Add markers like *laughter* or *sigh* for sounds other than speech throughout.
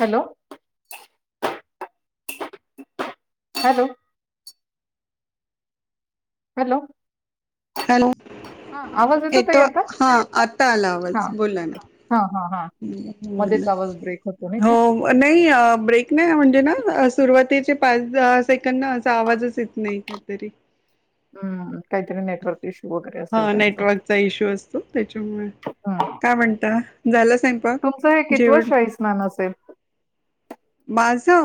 Hello hello hello hello हा आवाज ताई येतो आता हा आता हा आलावाज बोला ना हा हा हा मध्येच आवाज ब्रेक होतो नाही का हो नाही ब्रेक नाही म्हणजे ना सुरुवात पाच दहा सेकंड ना असा आवाजच येत नाही काहीतरी हम्म कायतरीे नेटवर्क इश्यू वगैरे असेल हा त्यांचा नेटवर्कचा इश्यू असतो त्याच्यामुळे हम्म. काय म्हणता झाला सांगपा तुमचं हे कितवं जेवण शाही स्नान असेल माझ अ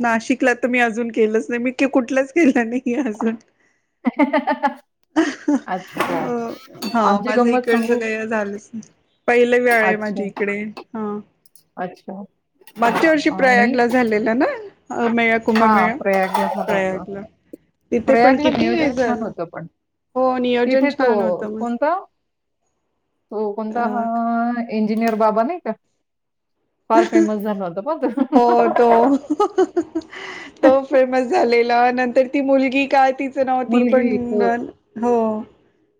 नाशिकला तर मी अजून केलंच नाही मी कुठलाच गेलं नाही अजून *unintelligible* अच्छा अ हा आमची माझं गंमत इकडच सांगू काही झालंच नाही पहिलं वेळ आहे माझी अच्छा इकडे हा अच्छा हा. मागच्या वर्षी आणि प्रयागला झालेला ना मेळा हा कुंभमेळा प्रयाग झाला होता प्रयागला तिथे पण प्रयागला किती नियोजन हे छान झालं होत पण हो नियोजन तिथे तो छान होतं मग कोणता तो कोणता हा अ इंजिनियर बाबा नाही का फार फेमस झाला होता पण त हो तो तो फेमस झालेला नंतर ती मुलगी का त नाव ती पण मुलगी हो हो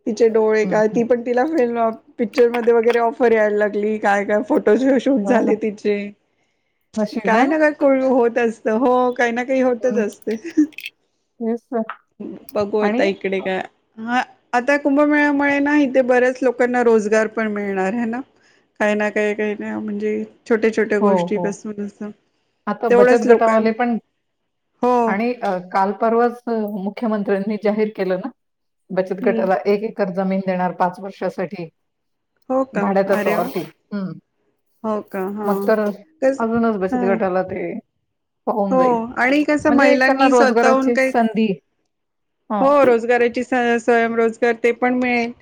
तिचे डोळे हम्म, काय हम्म. ती पण तिला फल पिक्चर मध्ये वगैरे ऑफर यायला लागली काय काय फोट फो शूट हो ना झाले नशीब हां? काय ना काय करू होत तसत हो काही ना काही होतच असते हस बघूता इकडे का हा आता कुंभमेळ्यामुळे ना इथे बऱ्याच लोकांना रोजगार पण मिळणार आहे ना काही ना काही काही ना म्हणजे छोट्या छोट्या हो, हो. गोष्टीपासून असं आता तेवढंच बचत लोकां गटावाले पण हो आणि काल परर्वाच मुख्यमंत्र्यांनी जाहीर केलं ना बचत हम्म गटाला एककर जमीन देणार पाच वर्षासाठी हो का भाड्या तर अरे वा फववरती हो का हा कस अजूनच बचत हा गटाला ते पाहून हो जाईल. आणि कस म्हणजे त्यांना महिलांनी स्वतःहून रोजगाराची काही संधी हं, हो रोजगाराची स्वयंरोज तर ते पण मिळेल.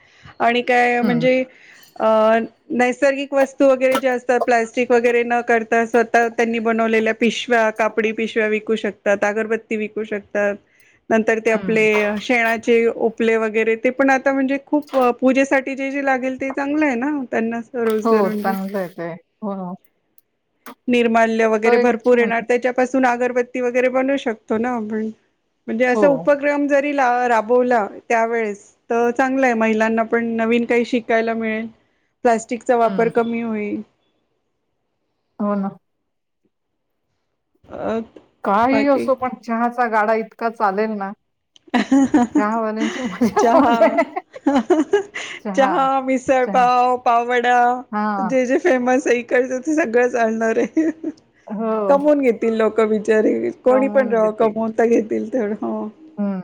आणि काय हं, म्हणजे अ नैसर्गिक वस्तू वगैरे जे असतात प्लॅस्टिक वगैरे न करता स्वतः त्यांनी बनवलेल्या पिशव्या काप- -डी पिशव्या विकू शकतात, अगरबत्ती विकू शकतात. नंतर ते आपले हं. शेणाचे आपले वगैरे ते पण आत्ता म्हणजे खूप पूजेसाठी ती जे जी लागेल ते चांगलं आहे ना त्यांना हो रोजगार म्हणजे चांगलं आहेेत आहे हो. निर्माण तो वगैरे एक भरपूर छान येणार त्याच्या अगरबत्ती वगैरे बनू शकतो ना आपण म्हणजे हो, असा उपक्रम जरी राबवला त्या वळेस तर चांगला आहे महिलांना पण नवीन काही शिकायला मिळेल. प्लास्टिकचा वापर हं. कमी होईल. हो ना. अ- काही बाकी असो पण चहा- -चा गाडा इतका चालेल ना. चहावाल्यांची मजाच चहा म्हणजे चहा चहा मिसळपाव पाववडा हां. जे जे फेमस आहे. कडच ते सगळं चालणार आहे. हो. कमवून घेतील लोक बिचा- -री कोणी कमावून पण घेतील. कमवता घेतील. तर हो हं.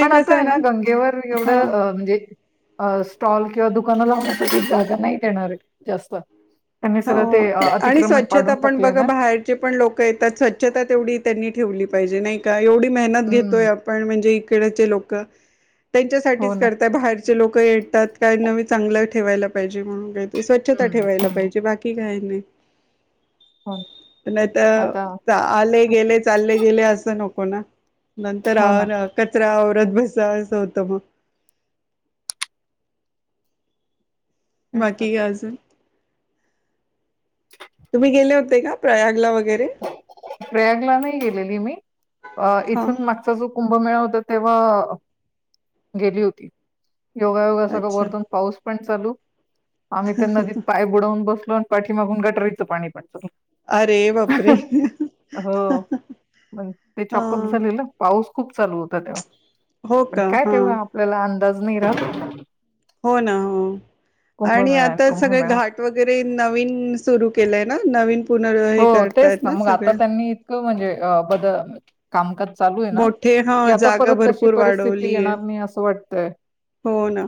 पण आता आहे ना गंगेवर हा एवढं म्हणजे अ स्टॉल किंवा दुकानं लावण्यासाठी जागा नाही देणार आहे जास्त त्यांनी सगळं हो ते अ, आणि अतिक्रमण स्वच्छता पाडून पण टाकलंय बघ ना. बाहेरचे पण लोक येतात स्वच्छता तेवढी त्यांनी ठेवली पाहिजे नाही का. एवढी मेहनत घेतोय हं. आपण म्हणजे कडेचे लोक हो त्यांच्यासाठीच ना. करताय बाहेर लोक येतात काय नवीन चांगलं ठेवायला पाहिजे म्हणून. स्वच्छता हं, ठेवायला हं. पाहिजे. की काय नाही हो ना. नाही आता तर आले गेले चालले गेले असं न- होणा नंतर हो अ ना. न कचरा तरीच असं होत म् तेच तर. बाकी ग अजून तुम्ही गेले होते का प्रयागला व प्रयागला नाही गेलेली मी हा इथून मागचा जो कुंभमेळा होता तेव्हा गेली होती योगायोग असा का अच्छा वरतून पाऊस पण चालू आम्ही त्या नदीत पाय बुडवून बसलो लोण पाठी मागून गटरीचं पाणी पण अरे वापरे हो मग ते हा चॉकअप झालेलं पाऊस खूप चालू होता तेव्हा हो पण का काय हा तेव्हा आपल्याला अं दाज नाही राहत हो ना हो आणि कुंभमेळा आता सगळे कुंभमेळा घाट वगैरे नवीन सुरू केलंय ना नवीन पुनर् हो हे तेच करतायत ना मग आता सगळे त्यांनी इतकं म्हणजे अ बदल कामकात चालू आहे ना मोठे हा की आता जागा परत तशी भरपूर परिस्थिती वाढवलीय येणार नाही असं वाट तय हो ना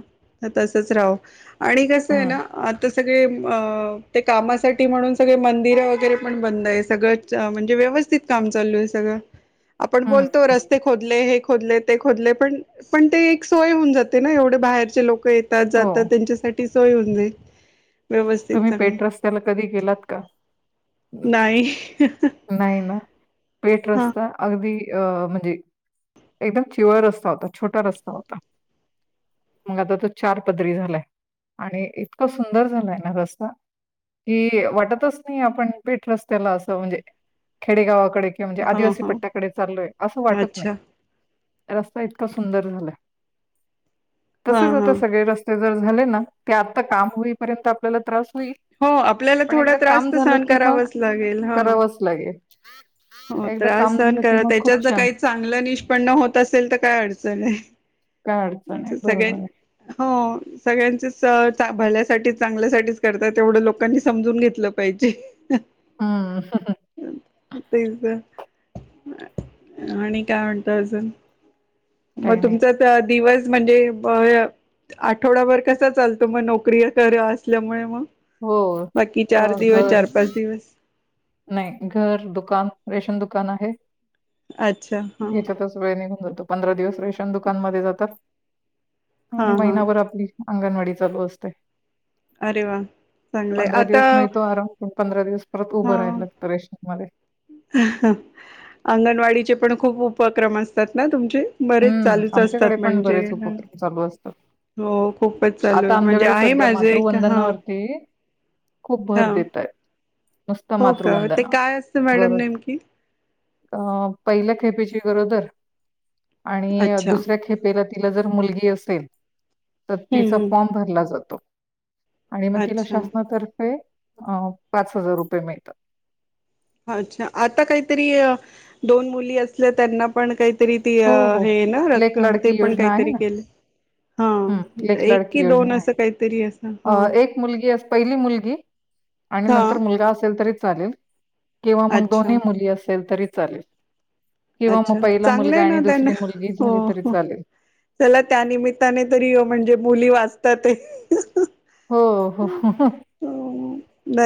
तसच राहो आणि कसं आहे हम्म ना आता सगळे ते कामासाठी म्हणून सगळे मंदिर वगैरे पण बंद आहे सगळं म्हणजे व्यवस्थित काम चालू आहे सगळं आपण हम्म बोलतो हम्म. रस्ते खोदले हे खोदले ते खोदले पण पण ते एक सोय होऊन जात ते ना एवढे बाहेरचे लोक येतात हो जातात त्यांच्यासाठी ती सोय होऊन जाईल व्यवस्थित तुम्ही चांगलं पेठ रस्त्याला कधी गेलात का नाही नाही ना पेठ हा रस्ता अगदी अ म्हणजे एकदम चिवळ रस्ता होता छोटा रस्ता होता मग आता तो चार पदरी झालाय आणि इतका सुंदर झालाय रस्ता की, वाटतच नाही आपण पेठ रस्त्याला अस म्हणजे खेडेगावा कि म्हणजे हा आदिवासी हा पट्ट्याकडे चालोय असं वाटत अच्छा नाही रस्ता इतका सुंदर झालायं हा तसेच हा होता सगळे रस्ते झा ना ते आ काम होपर् त्रास होईल हो आपल्याला पण थोडा एकदा त्रास काम तर झालं सहन करावाच लागेल हा हम हो त्रास सन करा त्याच्यात जर छान काही चांगलं निष्पन्न होत असेल तर काय अडचण आहे काय अडचण आहे सगळ्यां बरोबर आहे हो सगळ्यांच स भल्यासाठी चांगल्यासाठीच करताात तेवढं लोकांनी समजून घेतलं पाहिजे हम्म पि्झा आणि काय म्हणत अजून मग काही नाही तुमच तर दिवस म्हणजे आठवडाभर कसा चालतो मग नोकरी कर असल्यामुळे मग हो बाकी अ, चार दिवस घर चार पाच दिवस नाही घर दुकान रेशन दुकान आहे अच्छा हा याच्यातच वेळ निघून पंधरा दिवस रा न दुकानमध्ये जातात हा आणि हा महिनाभर आपली अंगणवाडी चालू असते अरे वा चांगलंय पंधरा आता दिवस मिळतो आराम पण पंधरा दिवस परत हा उभं राहायला लागतं मध्ये अंगणवाडीचे पण खूप उपक्रम असतात ना तुमचे बरेच हम्म चालूच आमच्याकडे असतात पण म्हणजे बरेच ह उपक्रम चालू असतात हो खूपच चालू आहे आता म्हणजे आमच्याकडे आहे सध्या माझे एक हा मातृवंदनावरती खूप भर हा देत आहेत नुसतं हो का ते मातृवंदना काय असतं मॅडम नेमकी अ पहिल्या खेपेची गरोदर आणि अच्छा दुसऱ्या खेपेला त तिला जर मुलगी असेल तर हम्म तिचा हम्म फॉर्म भरला जातो आणि मग तिला अच्छा शासनातर्फे आहे अ पाच हजार रुपये मिळतात अच्छा आता काहीतरी दोन मुली असल्या त्यांना पण काही हो हो लेख लाडकी पण योजना आहे काहीतरी ना केलं हा ह लेख एक लाडकी कि योजना दोन असं काहीतरी असं हा आहे एक मुलगी पहिली मुलगी आणि हा नंतर मुलगा असेल तरी चालेल किंवा मग अच्छा दोन्ही मुली असेल तरी चालेल किंवा मग अच्छा पहिला मुलगा चांगलं आणि दुसरी मुलगी झाली तरी त्यांना चालेल. चला त्या निमित्ताने तरी म्हणजे मुली वा तत हो, हो.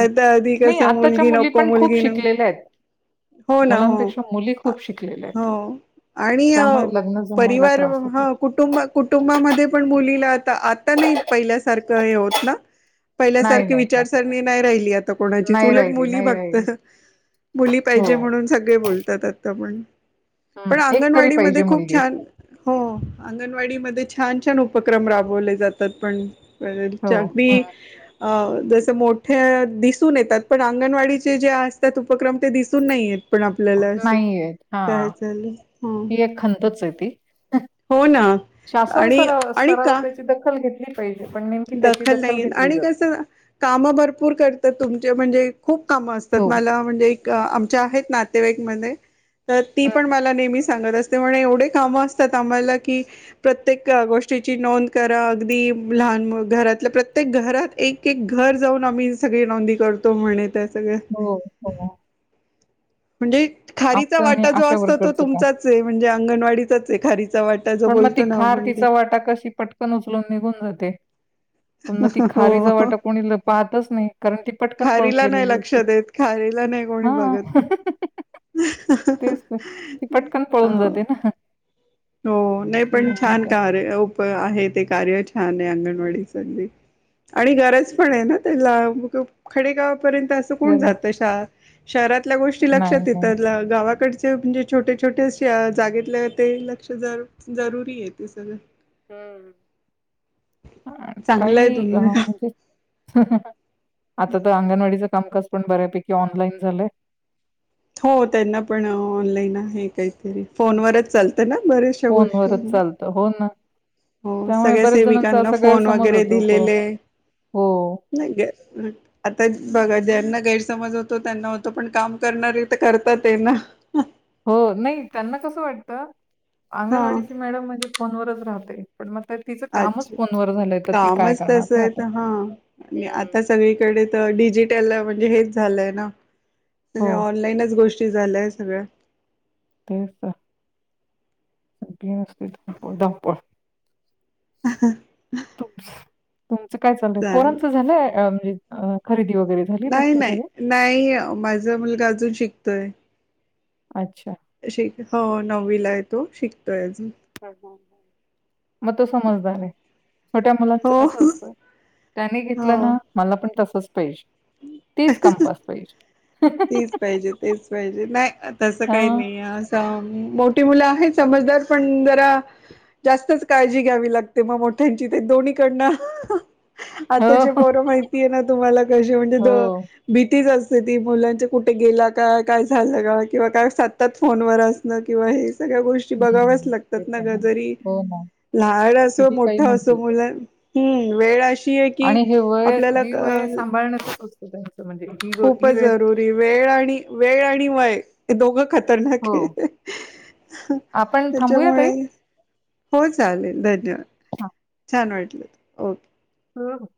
हं. तर आधी नाही कस आत्ताच्या मुलगी मुली नको पण खूप मुलगी शिकलेल्या आहेत. नको हो ना हो मुलांपेक्षा मुली खूप शिकलेल्या आहेत. हो आणि त्यामुळे लग्न जमवायला परिवार त्रास होतो. ह कुटुंब कुटुंबामध्ये पण मुलीला आ आता नाही पहिल्यासारखं हे होत ना नाही, पहिल्यासारखी नाही, विचारसरणी नाही राहिली आता कोणाचीच नाही उलट राहिली, मुली नाही राहिली. बगत मुली हो. पाहिजे म्हणून सगळे बोलतात आता पण हं. पण एक तरी पाहिजे अंगणवाडीमध्ये खूप मुलगी. छान हो अंगणवाडीमध्ये छान छान उपक्रम राबवले जातात पण *unintelligible* हो, च्या अगदी हं. अ जस मोठे दिसून येतात पण अंगणवाडीचे जे असतात उपक्रम ते दिसून नाही येत. पण आपल्याला असं नाहीयेत हा काय चालू ह ही एक खंतच आहे ती हो ना शासन आणि सरा आणि का स्तरावर त्याची दखल घेत घेतली पण नेमकी त्याची दखल नाहीेत घेतली आणि जात कस काम भरपूर करतात तुम ते म्हणजे खूप कामं हो असतात मला म्हणजे एक आमच्या आहेत ना तेवा एक म्हणे तर ती हं. पण मला नेहमीच सांगत असते म्हणे एवढी काम असतात आम्हाला की प्रत्येक गोष्टीची नोंद करा अगदी लहान मु घरातल्या प्रत्येक घरात एक एक घर जाऊन आम्ही सगळी नोंदी करतो म्हने हो हो. म्हणजे खारीचा आमचं आणि वाटा जो आशा असतो तो वर्करचं काम तुमचाच आहे म्हणजे अंगणवाडीत एकच आहे का? पण मग ती खार तिचा वाटा कशी पटकन उचलून निघून जाते. पुन्हा ती खारीचा हो वाटा कोणीला पाहतच नाही. कारण ती पटकन पळून खारीला नाही गेलेली लक्ष असते. देत खारीला नाही कोणी हा बघत तेच ती पटकन हा पळून जाते ना हो नाही अशी पण छान गंमत आहे कार्य उप आहे ते कार्य छान अंगणवाडी चालली आणि गरज पण आहे ना त्याला खेडेगाव पर्यंत असं कोण खरंच. जात शा शहरातल्या गोष्टी नाही लक्षात नाही येतात गावाकडची म्हणजे छोटे छोटेशे जागेतले ते ल जरुरी आहे ते सगळं हम्म चांगलं आहे काही तुम अ म्हणजे ह ह आता तर अंगनवाडीचा कामकाज पण बऱ्यापैकी ऑनलाईन झालंय. हो त्यांना पण ऑनलाईन आहे काही- तरी फोनवरच चालतं न बऱ्याचशा गोष्टी. फोनवरच चालतं हो ना हो त्यामुळे सगळ्या बऱ्याच जणांचा सेविकांना असा फोन गैरसमज वगैरे होतो को दिलेले हो, आता बघा ज्यांना गैर- समज होतो त्यांना होतो पण काम करणारे तर करतात हेना हो नाही त्यांना कसं वाटत हा अंगणवाडीची मॅडम म्हणजे, फोन वच राहते पण मग. ते तिचं कामच अच्छा फोनवर झालंय, तर ती काय कामच करणार तस ना आता? आहे हा आणि हं. आता सगळीकडे तर डिजिटल. त्याला म्हणजे हेच झालंय ना! हो, म्हणजे ऑनलाईनच गोष्ट. ब झालय आहे सगळ्या. तेच ना सगळी असते धावपळ -धावपळ ह ह तू तुमचं काय चालय चालेल पोरांचं झालंय खरेदी ओ नाही -नाही -नाही माझा मुलगा अजून शिक- तोय. अच्छा हो नववीला आहे तो शिकतोय अजू- मग तो समजदार आहे छोट्या मुलांच हो कस असतं त्याने घेतलं हो ना मला पण तसच. पाहिजे तीच कंपास पाहिजे. तेच पाहिजे तेच पाहिजे नाही तसं काही हां. नाही असं मोठी मुलं आहेत समजदार पण जरा जास्तच काळजी घ्यावी लागते मग मोठ्यांची ते दोन्हीकडन- हो, आता जे पोर माहिती आहे ना तुम्हाला कशी म्हणजे द हो. भीतीच असते. कधी मूल म्हणजे कुठे गेला का, काय झालं का किंवा काय सतत फोन वर असणं किंवा हे सगळ्या गोष्टी बघाव्याच हं, ते लागतात ना पण ग आहे. जरी हो ना, लहान असो किती काही मोठा असो म्हटले मुल. वेळ अशी आहे की आणि जे वय ही आपल्याला वय सांभाळण. *unintelligible* खूपच जरुरी वेळ आणि वेळ आणि वय ते दोघं ख हो. आपण थांबूया ताई? त्याच्यामुळे हो चालेल धन्यवाद हां. छान वाट ओके हा *unintelligible*